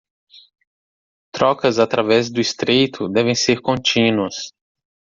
Trocas através do Estreito devem ser contínuas